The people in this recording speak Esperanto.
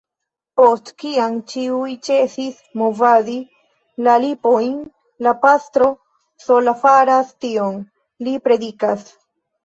Post kiam ĉiuj ĉesis movadi la lipojn, la pastro sola faras tion; li predikas.